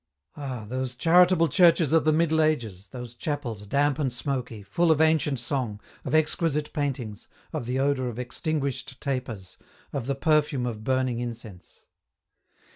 Ah, those charitable churches of the Middle Ages, those chapels damp and smoky, full of ancient song, of exquisite paintings, of the odour of extinguished tapers, of the perfume of burning incense